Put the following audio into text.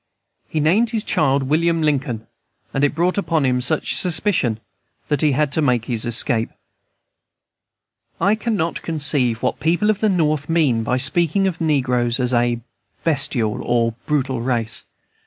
He named his child William Lincoln, and it brought upon him such suspicion that he had to make his escape. I cannot conceive what people at the North mean by speaking of the negroes as a bestial or brutal race.